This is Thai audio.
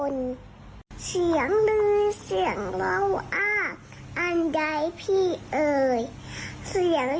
ลืมตื่นมือพี่สองพี่คิดเองอ่ะ